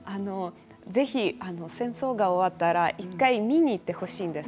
ぜひ戦争が終わったら１回、見に行ってほしいんです。